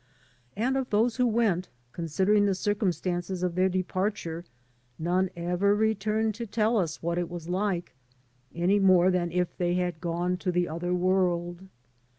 And of those who went, consider ing the circumstances of their departure, none ever retiuned to tell us what it was like, any more than if they had gone to the other world.